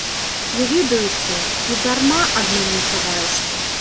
Я ведаю ўсё, ты дарма ад мяне хаваешся.